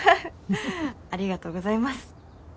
ありがとうございます。